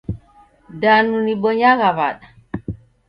Danu nibonyagha wada?